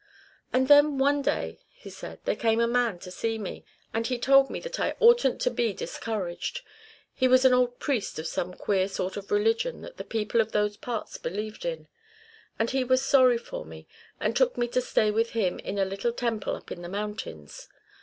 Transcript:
"And then one day," he said, "there came a man to see me, and he told me that I oughtn't to be discouraged. He was an old priest of some queer sort of religion that the people of those parts believed in; and he was sorry for me, and took me to stay with him in a little temple up in the mountains.